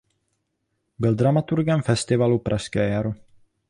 Byl dramaturgem festivalu Pražské jaro.